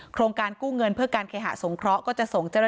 โครงการกู้เงินเพื่อการเคหะสงเคราะห์